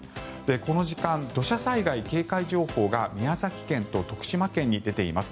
この時間、土砂災害警戒情報が宮崎県と徳島県に出ています。